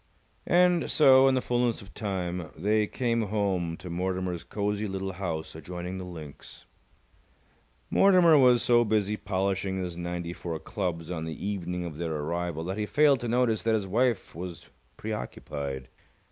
And so, in the fullness of time, they came home to Mortimer's cosy little house adjoining the links. Mortimer was so busy polishing his ninety four clubs on the evening of their arrival that he failed to notice that his wife was preoccupied.